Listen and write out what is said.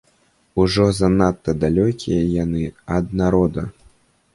Ужо занадта далёкія яны ад народа.